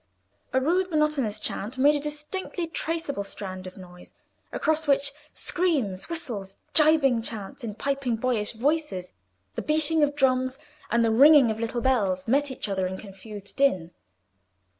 A rude monotonous chant made a distinctly traceable strand of noise, across which screams, whistles, gibing chants in piping boyish voices, the beating of drums, and the ringing of little bells, met each other in confused din.